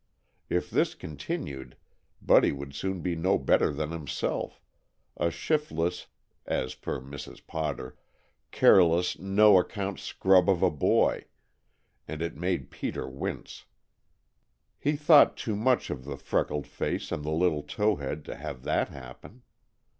If this continued Buddy would soon be no better than himself a shiftless (as per Mrs. Potter), careless, no account scrub of a boy, and it made Peter wince. He thought too much of the freckled face, and the little tow head to have that happen.